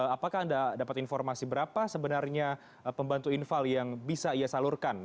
apakah anda dapat informasi berapa sebenarnya pembantu infal yang bisa ia salurkan